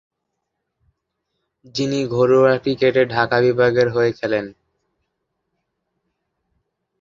যিনি ঘরোয়া ক্রিকেটে ঢাকা বিভাগের হয়ে খেলেন।